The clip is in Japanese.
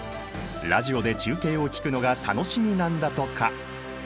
ラジオで中継を聴くのが楽しみなんだとか。